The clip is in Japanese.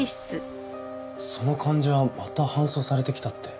その患者また搬送されてきたって。